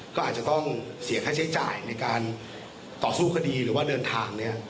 ก็อาจจะต้องเสียค่าใช้จ่ายในการต่อสู้คดีหรือว่าเดินทาง